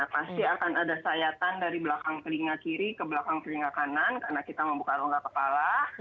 pasti akan ada sayatan dari belakang telinga kiri ke belakang telinga kanan karena kita membuka rongga kepala